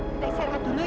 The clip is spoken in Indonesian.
kita istirahat dulu yuk